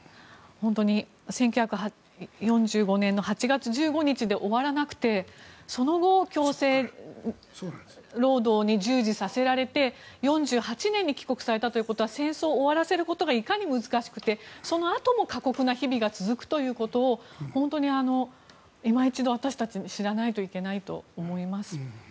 本当に１９４５年の８月１５日で終わらなくてその後強制労働に従事させられて４８年に帰国されたということは戦争を終わらせることがいかに難しくて、そのあとも過酷な日々が続くということを本当に今一度、私たちは知らなければいけないと思います。